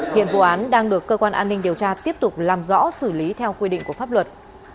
hiện vụ án đang được cơ quan an ninh điều tra tiếp tục làm rõ xử lý theo quy định của pháp luật